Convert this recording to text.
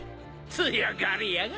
強がりやがって。